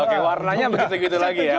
oke warnanya begitu gitu lagi ya